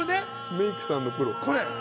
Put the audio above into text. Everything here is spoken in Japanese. メイクさんのプロ。